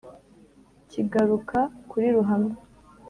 kigaruka kuri ruhamwa.